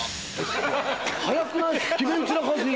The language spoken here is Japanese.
早くない？